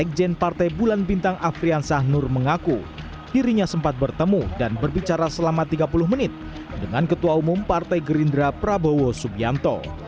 sekjen partai bulan bintang afriansah nur mengaku dirinya sempat bertemu dan berbicara selama tiga puluh menit dengan ketua umum partai gerindra prabowo subianto